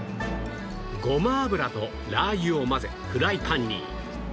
ごま油とラー油を混ぜフライパンに